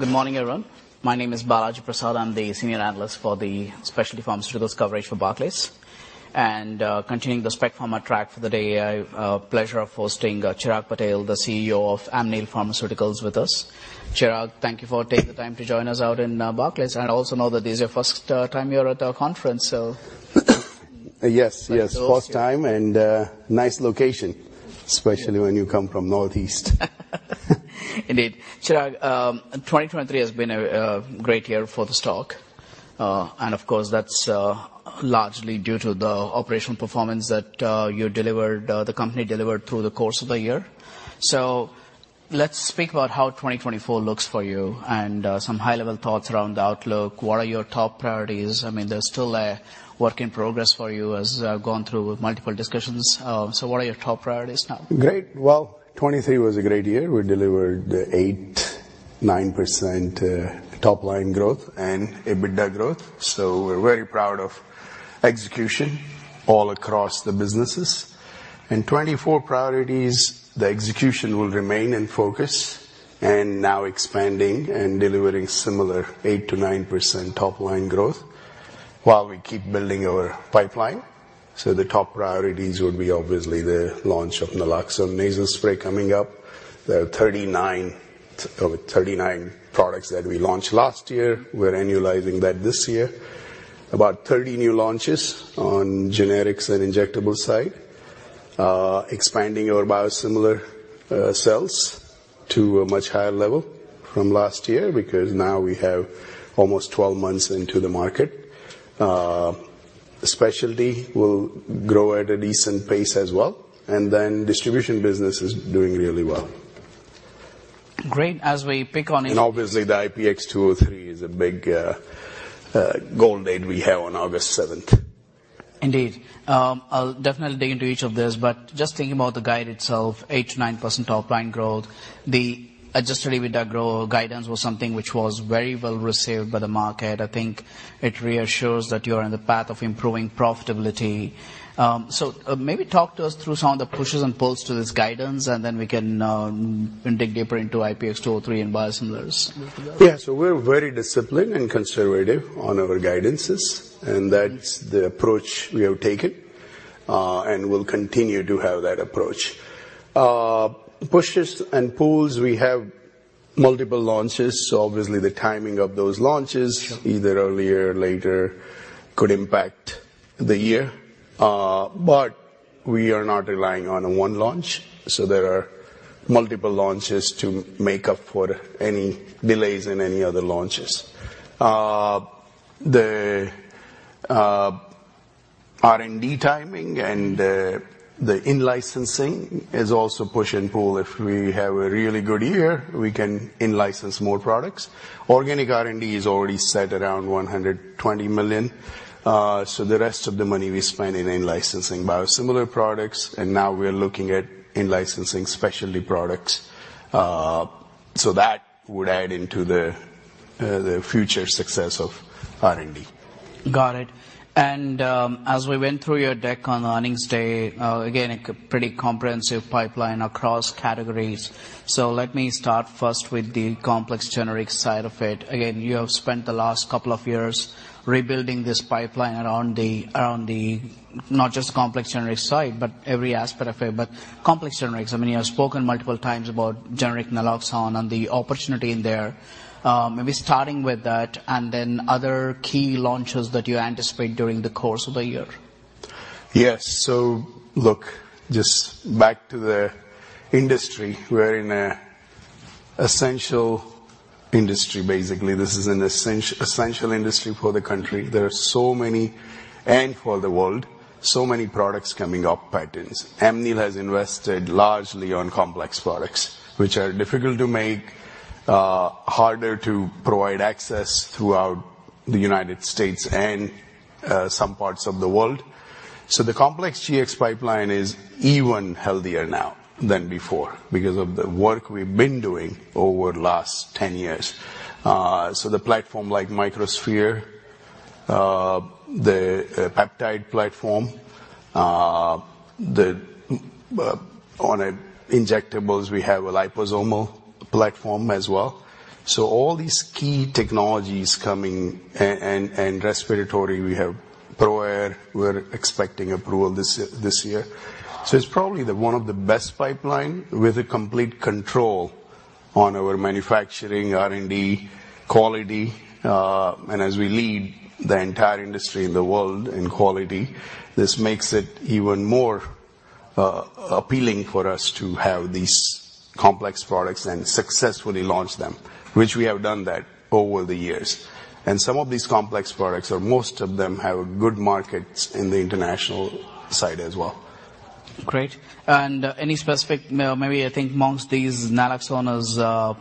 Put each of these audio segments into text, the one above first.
Good morning, everyone. My name is Balaji Prasad. I'm the senior analyst for the specialty pharmaceuticals coverage for Barclays. Continuing the Spec Pharma track for the day, I have the pleasure of hosting Chirag Patel, the CEO of Amneal Pharmaceuticals, with us. Chirag, thank you for taking the time to join us out in Barclays. I also know that this is your first time here at our conference, so. Yes, yes, first time. Nice location, especially when you come from the Northeast. Indeed. Chirag, 2023 has been a great year for the stock. Of course, that's largely due to the operational performance that you delivered, the company delivered through the course of the year. Let's speak about how 2024 looks for you and some high-level thoughts around the outlook. What are your top priorities? I mean, there's still a work in progress for you as we've gone through multiple discussions. What are your top priorities now? Great. Well, 2023 was a great year. We delivered 8%-9% top-line growth and EBITDA growth. So we're very proud of execution all across the businesses. In 2024, priorities, the execution will remain in focus and now expanding and delivering similar 8%-9% top-line growth while we keep building our pipeline. So the top priorities would be obviously the launch of naloxone nasal spray coming up. There are 39 products that we launched last year. We're annualizing that this year. About 30 new launches on generics and injectables side. Expanding our biosimilar sales to a much higher level from last year because now we have almost 12 months into the market. Specialty will grow at a decent pace as well. And then distribution business is doing really well. Great. As we pick on each. Obviously, the IPX203 is a big goal date we have on August 7th. Indeed. I'll definitely dig into each of those. But just thinking about the guide itself, 8%-9% top-line growth, the adjusted EBITDA growth guidance was something which was very well received by the market. I think it reassures that you are on the path of improving profitability. So maybe talk to us through some of the pushes and pulls to this guidance, and then we can dig deeper into IPX203 and biosimilars. Yeah. So we're very disciplined and conservative on our guidances, and that's the approach we have taken. And we'll continue to have that approach. Pushes and pulls, we have multiple launches. So obviously, the timing of those launches, either earlier or later, could impact the year. But we are not relying on one launch. So there are multiple launches to make up for any delays in any other launches. The R&D timing and the in-licensing is also push and pull. If we have a really good year, we can in-license more products. Organic R&D is already set around $120 million. So the rest of the money we spend in in-licensing biosimilar products, and now we're looking at in-licensing specialty products. So that would add into the future success of R&D. Got it. As we went through your deck on earnings day, again, a pretty comprehensive pipeline across categories. Let me start first with the complex generics side of it. Again, you have spent the last couple of years rebuilding this pipeline around the not just complex generics side, but every aspect of it. Complex generics, I mean, you have spoken multiple times about generic naloxone and the opportunity in there. Maybe starting with that and then other key launches that you anticipate during the course of the year. Yes. So look, just back to the industry, we're in an essential industry, basically. This is an essential industry for the country. There are so many and for the world, so many products coming up, patents. Amneal has invested largely on complex products, which are difficult to make, harder to provide access throughout the United States and some parts of the world. So the complex GX pipeline is even healthier now than before because of the work we've been doing over the last 10 years. So the platform like microsphere, the peptide platform, on injectables, we have a liposomal platform as well. So all these key technologies coming and respiratory, we have ProAir. We're expecting approval this year. So it's probably one of the best pipelines with complete control on our manufacturing, R&D, quality. As we lead the entire industry in the world in quality, this makes it even more appealing for us to have these complex products and successfully launch them, which we have done that over the years. Some of these complex products, or most of them, have good markets in the international side as well. Great. And any specific maybe, I think, among these naloxone is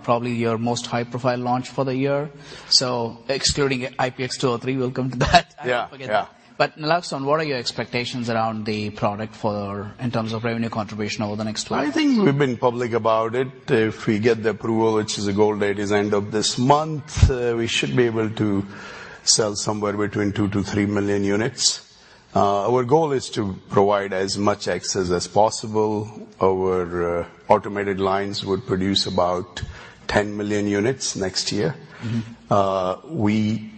probably your most high-profile launch for the year. So excluding IPX203, we'll come to that. I don't forget that. But naloxone, what are your expectations around the product in terms of revenue contribution over the next few years? I think we've been public about it. If we get the approval, which is a goal date, is end of this month, we should be able to sell somewhere between 2-3 million units. Our goal is to provide as much access as possible. Our automated lines would produce about 10 million units next year. We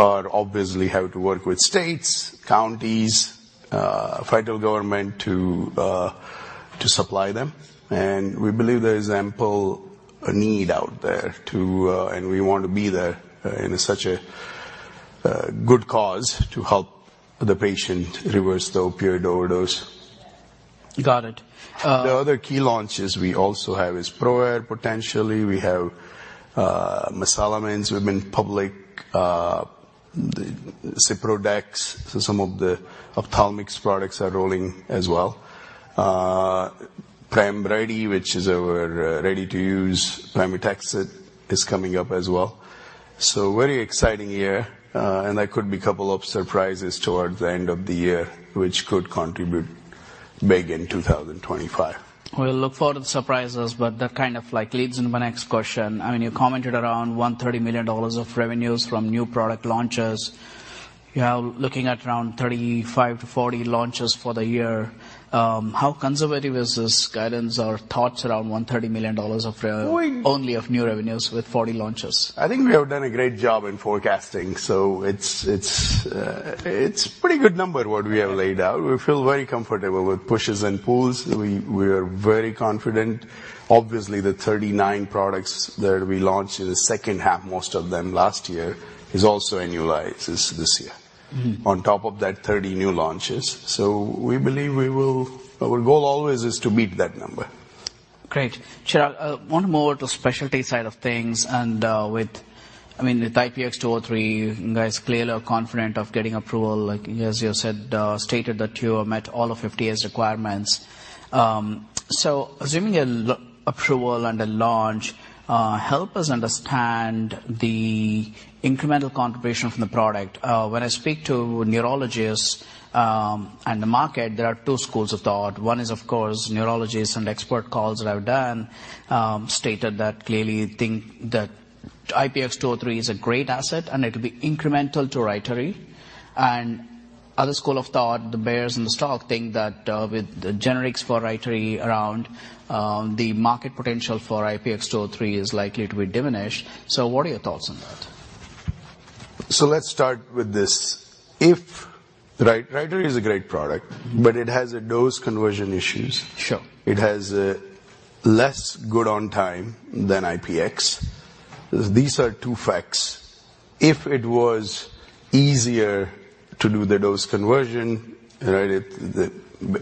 obviously have to work with states, counties, federal government to supply them. And we believe there is ample need out there, and we want to be there in such a good cause to help the patient reverse the opioid overdose. Got it. The other key launches we also have is ProAir, potentially. We have mesalamine. We've been public. Ciprodex, so some of the ophthalmics products are rolling as well. PEMRYDI, which is our ready-to-use, pemetrexed is coming up as well. Very exciting year. There could be a couple of surprises towards the end of the year, which could contribute big in 2025. We'll look forward to the surprises, but that kind of leads into my next question. I mean, you commented around $130 million of revenues from new product launches. You are looking at around 35-40 launches for the year. How conservative is this guidance or thoughts around $130 million only of new revenues with 40 launches? I think we have done a great job in forecasting. So it's a pretty good number what we have laid out. We feel very comfortable with pushes and pulls. We are very confident. Obviously, the 39 products that we launched in the second half, most of them last year, is also annualized this year on top of that 30 new launches. So we believe we will. Our goal always is to beat that number. Great. Chirag, I want to move over to the specialty side of things. And with IPX203, you guys clearly are confident of getting approval. As you said, stated that you have met all of FDA's requirements. So assuming approval and a launch, help us understand the incremental contribution from the product. When I speak to neurologists and the market, there are two schools of thought. One is, of course, neurologists and expert calls that I've done stated that clearly think that IPX203 is a great asset and it will be incremental to RYTARY. And other school of thought, the bears in the stock, think that with the generics for RYTARY around, the market potential for IPX203 is likely to be diminished. So what are your thoughts on that? So let's start with this. Rytary is a great product, but it has a dose conversion issue. It has less Good On time than IPX203. These are two facts. If it was easier to do the dose conversion, the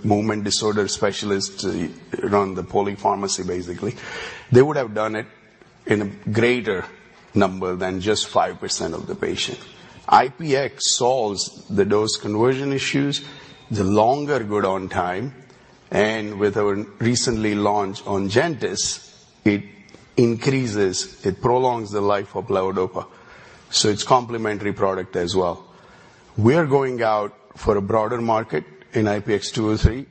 movement disorder specialists around the polypharmacy, basically, they would have done it in a greater number than just 5% of the patient. IPX203 solves the dose conversion issues. The longer Good On time, and with our recently launched Ongentys, it increases, it prolongs the life of levodopa. So it's a complementary product as well. We are going out for a broader market in IPX203.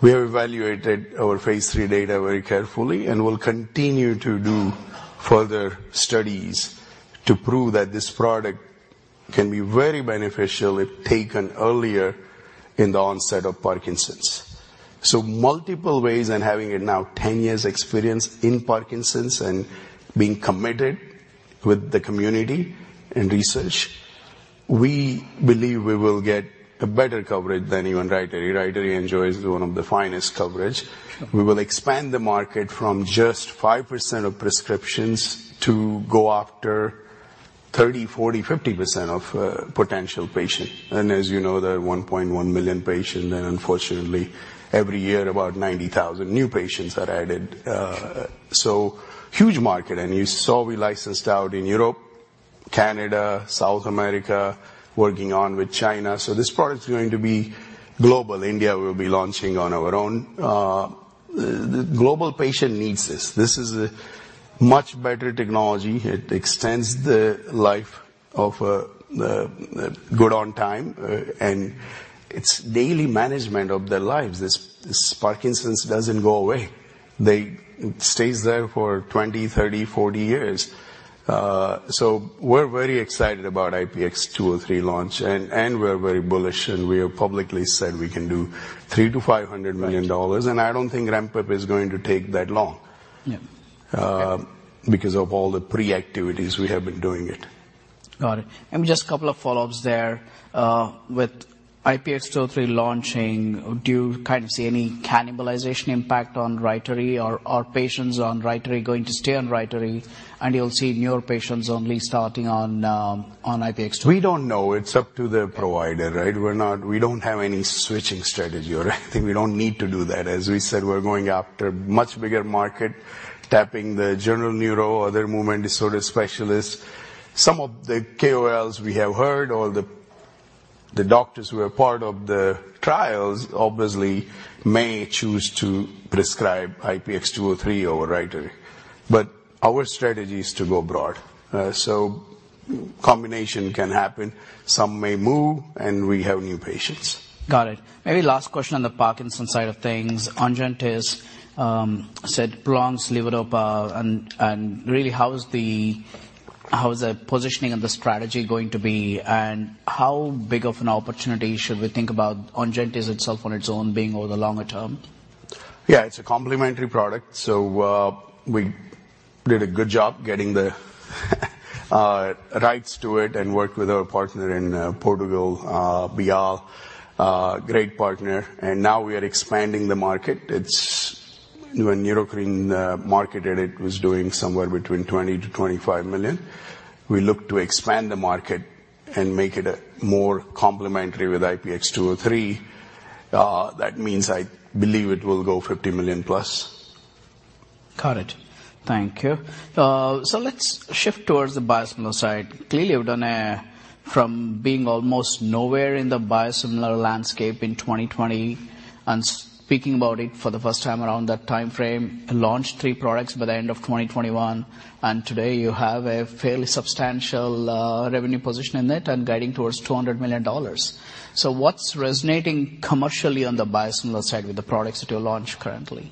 We have evaluated our phase three data very carefully and will continue to do further studies to prove that this product can be very beneficial if taken earlier in the onset of Parkinson's. So multiple ways and having it now, 10 years experience in Parkinson's and being committed with the community and research, we believe we will get a better coverage than even Rytary. Rytary enjoys one of the finest coverage. We will expand the market from just 5% of prescriptions to go after 30%, 40%, 50% of potential patients. And as you know, the 1.1 million patients, then unfortunately, every year, about 90,000 new patients are added. So huge market. And you saw we licensed out in Europe, Canada, South America, working on with China. So this product is going to be global. India will be launching on our own. The global patient needs this. This is a much better technology. It extends the life of good on time, and it's daily management of their lives. This Parkinson's doesn't go away. It stays there for 20, 30, 40 years. We're very excited about IPX203 launch. We're very bullish. We have publicly said we can do $300 million-$500 million. I don't think ramp-up is going to take that long because of all the pre-activities we have been doing. Got it. And just a couple of follow-ups there. With IPX203 launching, do you kind of see any cannibalization impact on RYTARY or patients on RYTARY going to stay on RYTARY, and you'll see newer patients only starting on IPX203? We don't know. It's up to the provider, right? We don't have any switching strategy or anything. We don't need to do that. As we said, we're going after a much bigger market, tapping the general neuro, other movement disorder specialists. Some of the KOLs we have heard, all the doctors who are part of the trials, obviously may choose to prescribe IPX203 over Rytary. But our strategy is to go broad. So combination can happen. Some may move, and we have new patients. Got it. Maybe last question on the Parkinson's side of things. Ongentys said it prolongs levodopa. And really, how is the positioning and the strategy going to be? And how big of an opportunity should we think about Ongentys itself on its own being over the longer term? Yeah. It's a complementary product. So we did a good job getting the rights to it and worked with our partner in Portugal, BIAL, a great partner. And now we are expanding the market. When Neurocrine marketed, it was doing somewhere between $20 million-$25 million. We look to expand the market and make it more complementary with IPX203. That means I believe it will go +$50 million. Got it. Thank you. So let's shift towards the biosimilar side. Clearly, you've gone from being almost nowhere in the biosimilar landscape in 2020 and speaking about it for the first time around that time frame, launched three products by the end of 2021. And today, you have a fairly substantial revenue position in it and guiding towards $200 million. So what's resonating commercially on the biosimilar side with the products that you launch currently?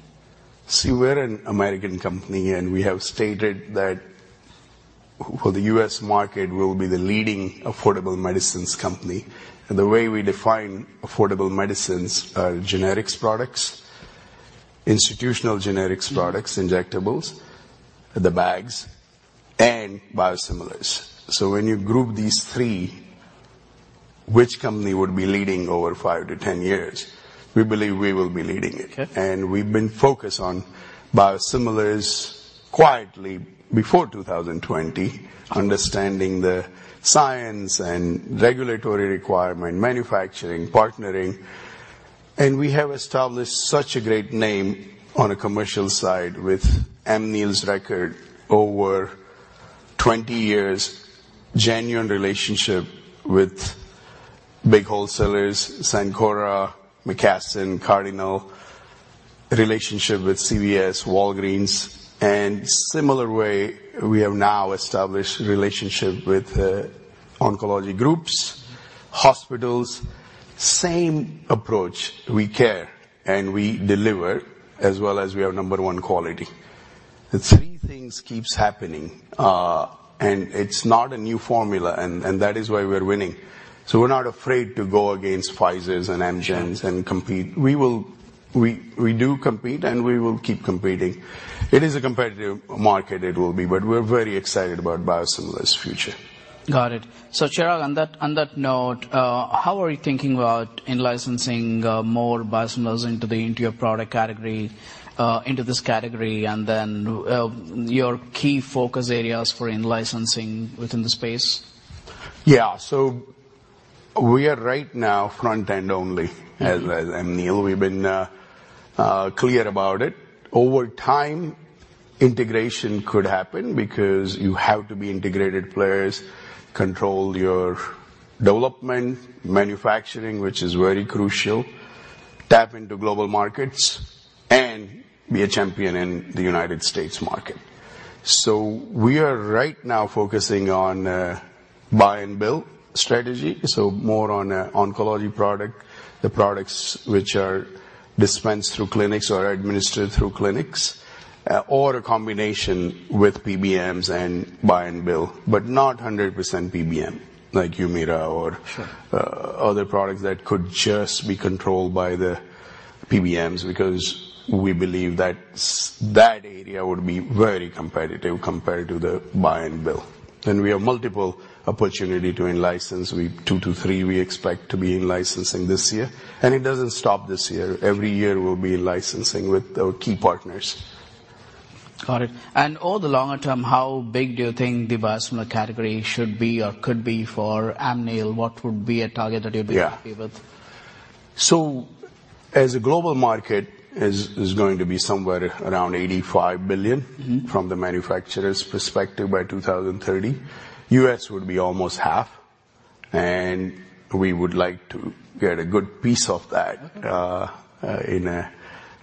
See, we're an American company, and we have stated that for the U.S. market, we will be the leading affordable medicines company. And the way we define affordable medicines are generics products, institutional generics products, injectables, the bags, and biosimilars. So when you group these three, which company would be leading over 5-10 years? We believe we will be leading it. And we've been focused on biosimilars quietly before 2020, understanding the science and regulatory requirement, manufacturing, partnering. And we have established such a great name on the commercial side with Amneal's record over 20 years, genuine relationship with big wholesalers, Amerisource, McKesson, Cardinal, relationship with CVS, Walgreens. And similar way, we have now established a relationship with oncology groups, hospitals. Same approach. We care and we deliver as well as we have number one quality. The three things keep happening. It's not a new formula, and that is why we're winning. We're not afraid to go against Pfizer and Amgen and compete. We do compete, and we will keep competing. It is a competitive market, it will be, but we're very excited about biosimilar's future. Got it. So Chirag, on that note, how are you thinking about licensing more biosimilars into your product category, into this category, and then your key focus areas for licensing within the space? Yeah. So we are right now front-end only as Amneal. We've been clear about it. Over time, integration could happen because you have to be integrated players, control your development, manufacturing, which is very crucial, tap into global markets, and be a champion in the United States market. So we are right now focusing on a buy-and-build strategy, so more on an oncology product, the products which are dispensed through clinics or administered through clinics, or a combination with PBMs and buy-and-build, but not 100% PBM like Humira or other products that could just be controlled by the PBMs because we believe that area would be very competitive compared to the buy-and-build. And we have multiple opportunities to license. two-three, we expect to be licensing this year. And it doesn't stop this year. Every year, we'll be licensing with our key partners. Got it. And over the longer term, how big do you think the biosimilar category should be or could be for Amneal? What would be a target that you'd be happy with? So as a global market, it's going to be somewhere around $85 billion from the manufacturer's perspective by 2030. U.S. would be almost half. We would like to get a good piece of that in a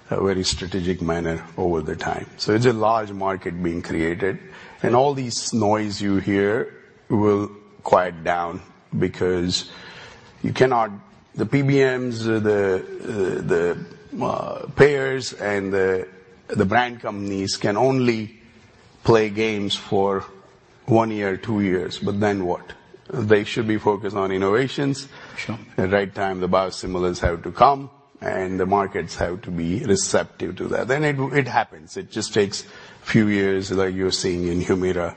very strategic manner over the time. It's a large market being created. All this noise you hear will quiet down because the PBMs, the payers, and the brand companies can only play games for one year, two years. But then what? They should be focused on innovations. At the right time, the biosimilars have to come, and the markets have to be receptive to that. Then it happens. It just takes a few years. Like you're seeing in Humira,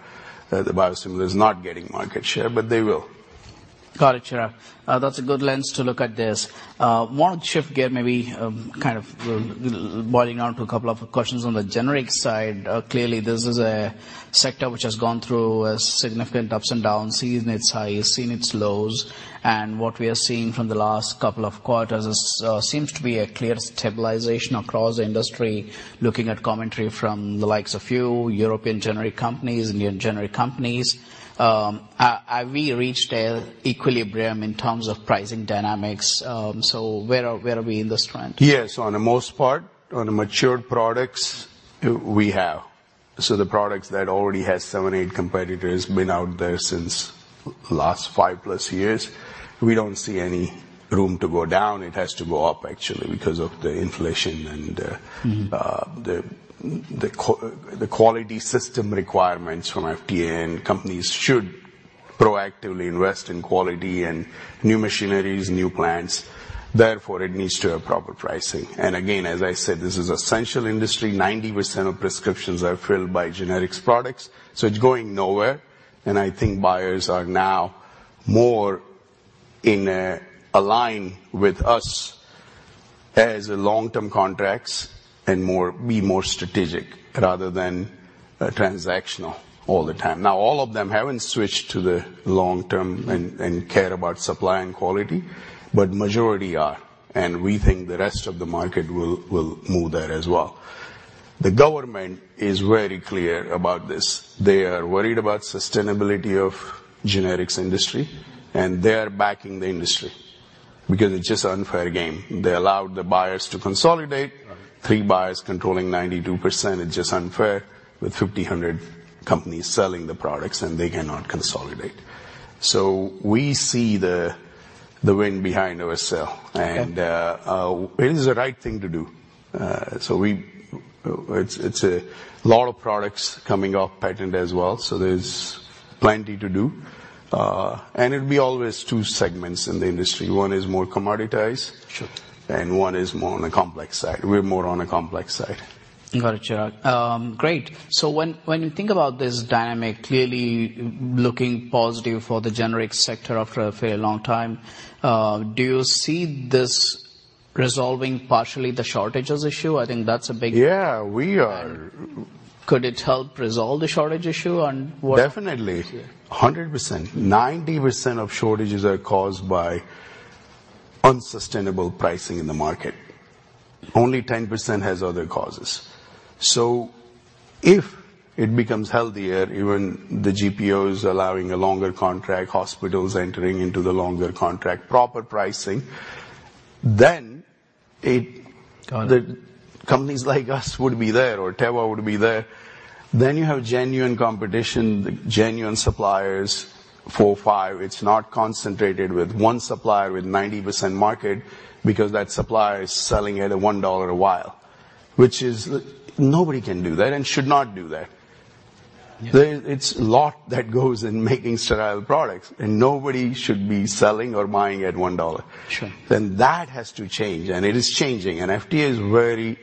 the biosimilar is not getting market share, but they will. Got it, Chirag. That's a good lens to look at this. I want to shift gear maybe kind of boiling down to a couple of questions on the generic side. Clearly, this is a sector which has gone through a significant ups and downs, seen its highs, seen its lows. And what we are seeing from the last couple of quarters seems to be a clear stabilization across the industry, looking at commentary from the likes of few European generic companies, Indian generic companies. Have we reached an equilibrium in terms of pricing dynamics? So where are we in this trend? Yes. On the most part, on the mature products, we have. So the products that already have seven, eight competitors have been out there since the last five plus years. We don't see any room to go down. It has to go up, actually, because of the inflation and the quality system requirements from FDA. And companies should proactively invest in quality and new machinery, new plants. Therefore, it needs to have proper pricing. And again, as I said, this is an essential industry. 90% of prescriptions are filled by generic products. So it's going nowhere. And I think buyers are now more in alignment with us as long-term contracts and be more strategic rather than transactional all the time. Now, all of them haven't switched to the long-term and care about supply and quality, but the majority are. We think the rest of the market will move that as well. The government is very clear about this. They are worried about the sustainability of the generics industry, and they are backing the industry because it's just an unfair game. They allowed the buyers to consolidate. Three buyers controlling 92%. It's just unfair with 5,000 companies selling the products, and they cannot consolidate. We see the wind behind ourselves. It is the right thing to do. It's a lot of products coming off patent as well. There's plenty to do. It'll be always two segments in the industry. One is more commoditized, and one is more on the complex side. We're more on the complex side. Got it, Chirag. Great. So when you think about this dynamic, clearly looking positive for the generics sector after a fairly long time, do you see this resolving partially the shortages issue? I think that's a big one. Yeah, we are. Could it help resolve the shortage issue? Definitely. 100%. 90% of shortages are caused by unsustainable pricing in the market. Only 10% has other causes. So if it becomes healthier, even the GPOs allowing a longer contract, hospitals entering into the longer contract, proper pricing, then companies like us would be there or Teva would be there. Then you have genuine competition, genuine suppliers, four or five. It's not concentrated with one supplier with a 90% market because that supplier is selling at a $1 a vial, which nobody can do that and should not do that. It's a lot that goes in making sterile products, and nobody should be selling or buying at $1. Then that has to change. It is changing. FDA is very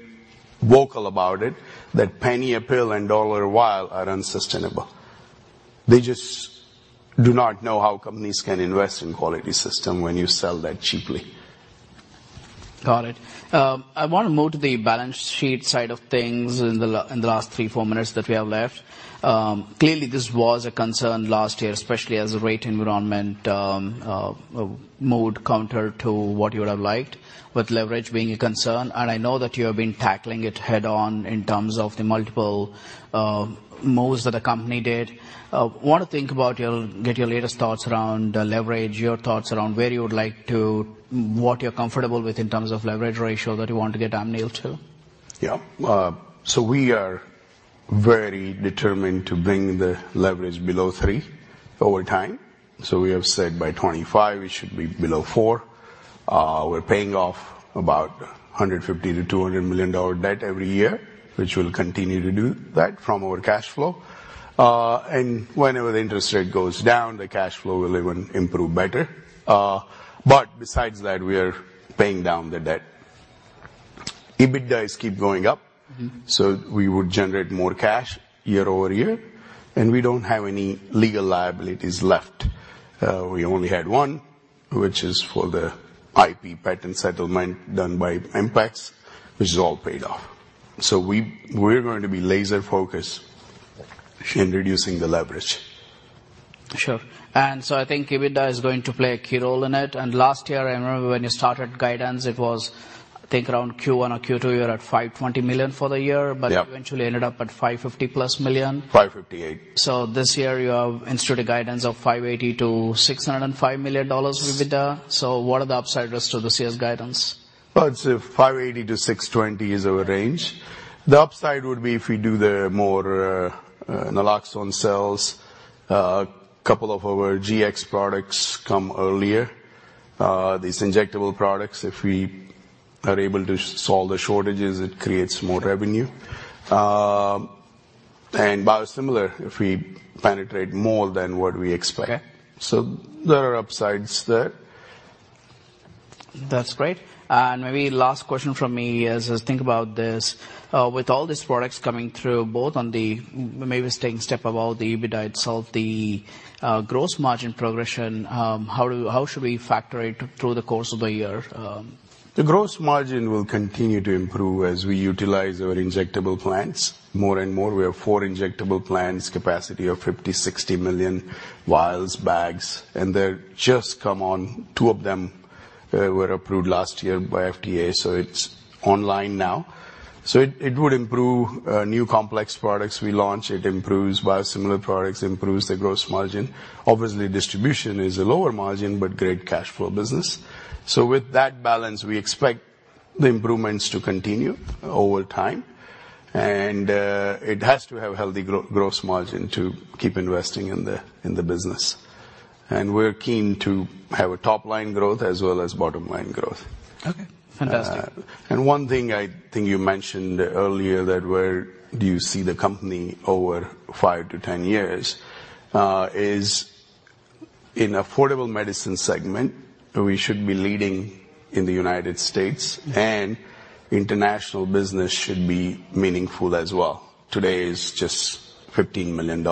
vocal about it, that penny a pill and dollar a vial are unsustainable. They just do not know how companies can invest in a quality system when you sell that cheaply. Got it. I want to move to the balance sheet side of things in the last three, four minutes that we have left. Clearly, this was a concern last year, especially as the rate environment moved counter to what you would have liked, with leverage being a concern. I know that you have been tackling it head-on in terms of the multiple moves that the company did. I want to get your latest thoughts around leverage, your thoughts around where you would like to what you're comfortable with in terms of leverage ratio that you want to get Amneal to. Yeah. So we are very determined to bring the leverage below three over time. So we have said by 2025, it should be below four. We're paying off about $150 million-$200 million debt every year, which we'll continue to do that from our cash flow. And whenever the interest rate goes down, the cash flow will even improve better. But besides that, we are paying down the debt. EBITDA is keeping going up. So we would generate more cash year-over-year. And we don't have any legal liabilities left. We only had one, which is for the IP patent settlement done by Impax, which is all paid off. So we're going to be laser-focused in reducing the leverage. Sure. And so I think EBITDA is going to play a key role in it. Last year, I remember when you started guidance, it was, I think, around Q1 or Q2, you were at $520 million for the year, but eventually ended up at +$550 million. 558. So this year, you have instituted guidance of $580 million-$605 million EBITDA. So what are the upside risks to this year's guidance? Well, it's $580 million-$620 million is our range. The upside would be if we do more naloxone sales, a couple of our GX products come earlier, these injectable products. If we are able to solve the shortages, it creates more revenue. And biosimilar, if we penetrate more than what we expect. So there are upsides there. That's great. And maybe last question from me is, as you think about this, with all these products coming through, both on the maybe staying step above the EBITDA itself, the gross margin progression, how should we factor it through the course of the year? The gross margin will continue to improve as we utilize our injectable plants more and more. We have four injectable plants, a capacity of 50-60 million vials, bags. And they've just come on. Two of them were approved last year by FDA. So it's online now. So it would improve new complex products we launch. It improves biosimilar products, improves the gross margin. Obviously, distribution is a lower margin, but great cash flow business. So with that balance, we expect the improvements to continue over time. And it has to have a healthy gross margin to keep investing in the business. And we're keen to have top-line growth as well as bottom-line growth. Okay. Fantastic. And one thing I think you mentioned earlier that where do you see the company over 5 to 10 years is in the affordable medicine segment, we should be leading in the United States, and international business should be meaningful as well. Today is just $15 million.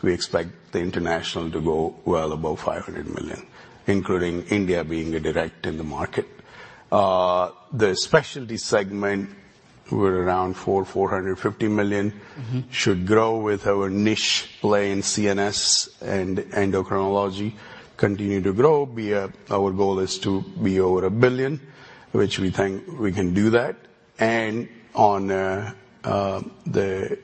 We expect the international to go well above $500 million, including India being a direct in the market. The specialty segment, we're around $400 million-$450 million, should grow with our niche play in CNS and endocrinology, continue to grow. Our goal is to be over $1 billion, which we think we can do that. And on the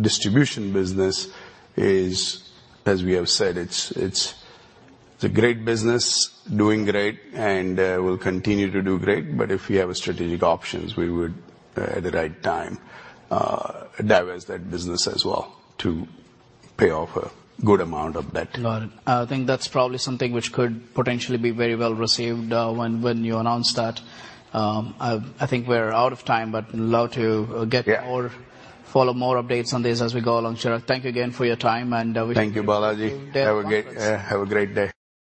distribution business, as we have said, it's a great business, doing great, and will continue to do great. But if we have strategic options, we would, at the right time, divest that business as well to pay off a good amount of debt. Got it. I think that's probably something which could potentially be very well received when you announce that. I think we're out of time, but I'd love to follow more updates on these as we go along, Chirag. Thank you again for your time, and we. Thank you, Balaji. Have a great day.